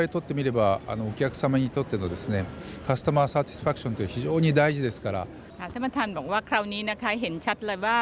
ท่านบันทานบอกว่าคราวนี้เห็นชัดเลยว่า